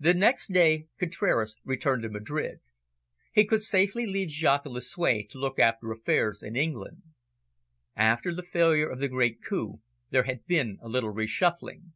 The next day Contraras returned to Madrid. He could safely leave Jaques and Lucue to look after affairs in England. After the failure of the great coup, there had been a little re shuffling.